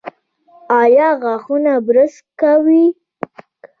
ایا غاښونه برس کوي؟